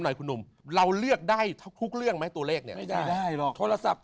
หน่อยคุณหนุ่มเราเลือกได้ทุกเรื่องไหมตัวเลขเนี่ยไม่ได้ได้หรอกโทรศัพท์